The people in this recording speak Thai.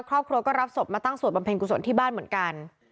ครอบครัวก็รับศพมาตั้งสวดบำเพ็ญกุศลที่บ้านเหมือนกัน